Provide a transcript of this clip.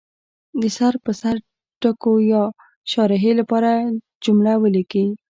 د سر په سر ټکو یا شارحې لپاره جمله ولیکي.